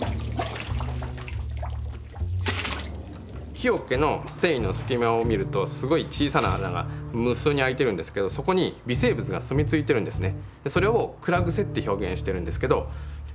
木桶の繊維の隙間を見るとすごい小さな穴が無数に開いてるんですけどそこに微生物がすみついてるんですね。